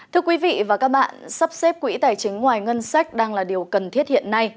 thưa quý vị và các bạn sắp xếp quỹ tài chính ngoài ngân sách đang là điều cần thiết hiện nay